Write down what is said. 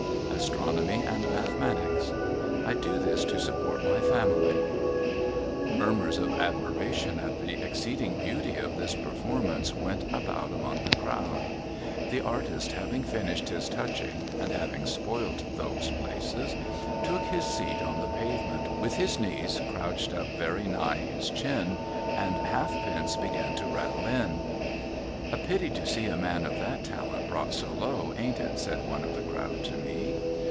Astronomy and mathematics. I do this to support my family,' Murmurs of admiration at the exceeding beauty of this perform ance went about among the crowd. The artist, having finished his touching (and having spoilt those places), took his seat on the pavement, with his knees crouched up very nigh his chin ; and halfpence began to rattle in. THE PAVEMENT ARTIST 30^ * A pity to see a man of that talent brought so low ; ain't it ?' said one of the crowd to me.